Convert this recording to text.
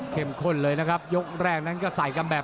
ข้นเลยนะครับยกแรกนั้นก็ใส่กันแบบ